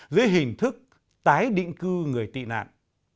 với hình thức tái định cư người tị nạn